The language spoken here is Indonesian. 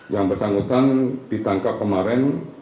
yang bersangkutan ditangkap kemarin